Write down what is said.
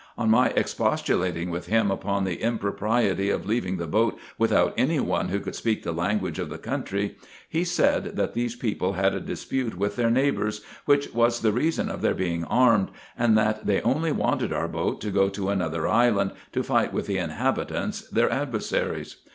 On my expostulating with him upon the impropriety of leaving the boat without any one who could speak the language of the country, he said, that these people had a dispute with their neighbours, which was the reason of their being armed ; and that they only wanted our boat to go to another island, to fight with the inhabit ants, their adversaries.